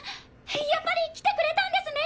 やっぱり来てくれたんですね。